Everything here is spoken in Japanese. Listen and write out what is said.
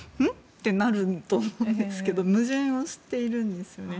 となると思うんですけど矛盾しているんですよね。